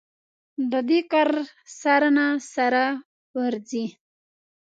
د دې کار سر نه سره ورځي.